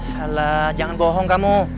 halah jangan bohong kamu